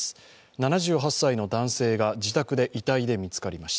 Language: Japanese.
７８歳の男性が自宅で遺体で見つかりました。